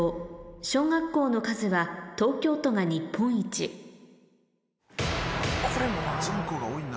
「小学校の数」は東京都が日本一これもな。